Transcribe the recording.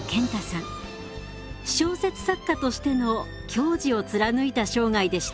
私小説作家としての矜持を貫いた生涯でした。